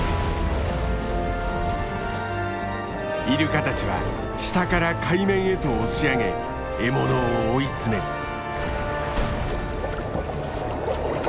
イルカたちは下から海面へと押し上げ獲物を追い詰める。